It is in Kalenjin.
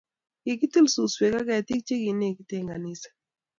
kikitil suswek ak kertii chekilekite kanisa